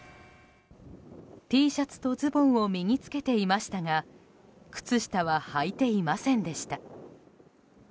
Ｔシャツとズボンを身に着けていましたが靴下ははいていませんでした。